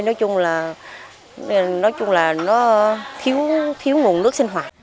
nói chung là nó thiếu nguồn nước sinh hoạt